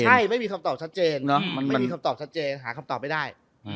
ใช่ไม่มีคำตอบชัดเจนหาคำตอบไม่ได้